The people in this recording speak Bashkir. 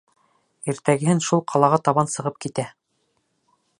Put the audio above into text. Иртәгәһен шул ҡалаға табан сығып китә.